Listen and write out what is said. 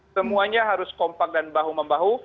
semuanya harus kompak dan bahu membahu